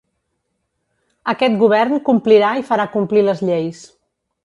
Aquest govern complirà i farà complir les lleis.